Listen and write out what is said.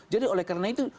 jadi oleh karena itu